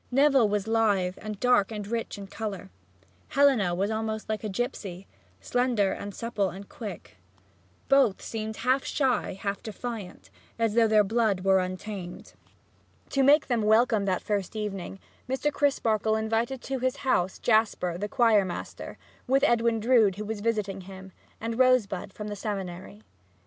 Neville was lithe, and dark and rich in color; Helena was almost like a gypsy, slender, supple and quick. Both seemed half shy, half defiant, as though their blood were untamed. To make them welcome that first evening, Mr. Crisparkle invited to his house Jasper, the choir master, with Edwin Drood, who was visiting him, and Rosebud from the seminary.